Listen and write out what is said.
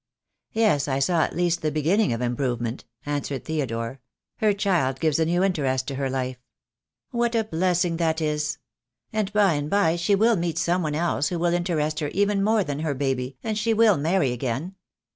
"Yes, I saw at least the beginning of improvement," answered Theodore. "Her child gives a new interest to her life." "What a blessing that is! And by and by she will THE DAY WILL COME. 12$ meet some one else who will interest her even more than her baby, and she will marry again.